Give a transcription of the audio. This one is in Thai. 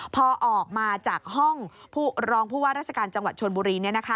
พอออกมาจากห้องรองผู้ว่าราชการจังหวัดชนบุรี